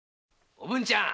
おぶんちゃん！